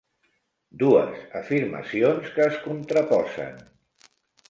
Dues afirmacions que es contraposen.